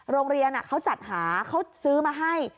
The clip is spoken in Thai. โรงเรียนเขาจัดหาเขาซื้อมาให้